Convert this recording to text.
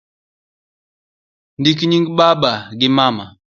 Ndik nying baba gi mama